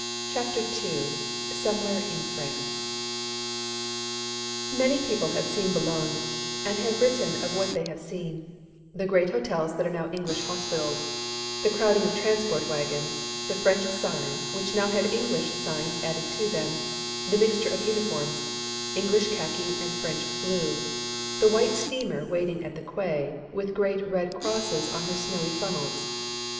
CHAPTER II "SOMEWHERE IN FRANCE" Many people have seen Boulogne and have written of what they have seen: the great hotels that are now English hospitals; the crowding of transport wagons; the French signs, which now have English signs added to them; the mixture of uniforms English khaki and French blue; the white steamer waiting at the quay, with great Red Crosses on her snowy funnels.